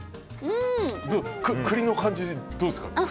栗の感じはどうですか？